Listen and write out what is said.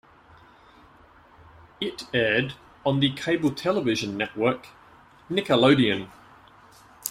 It aired on the cable television network Nickelodeon.